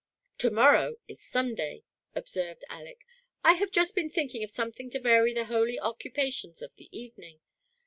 "To morrow is Sunday," observed Aleck; "I have just been thinking of something to vary the holy occu pations of the evening.